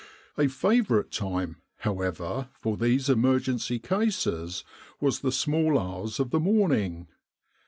A favourite time, however, for these emergency cases was the small hours of the morning.